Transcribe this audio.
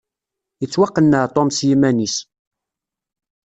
Yettwaqenneɛ Tom s yiman-is.